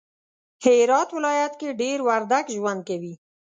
هرات ولایت کی دیر وردگ ژوند کوی